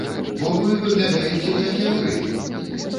Бо вы выглядаеце як яўрэй!